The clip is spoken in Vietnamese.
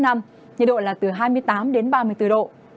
nhiệt độ là từ hai mươi tám đến ba mươi bốn độ